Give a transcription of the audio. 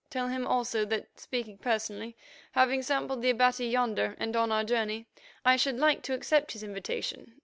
Tell him also that, speaking personally, having sampled the Abati yonder and on our journey, I should like to accept his invitation.